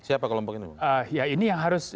siapa kelompok ini ya ini yang harus